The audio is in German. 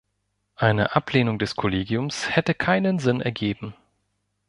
Eine Ablehnung des Kollegiums hätte keinen Sinn ergeben.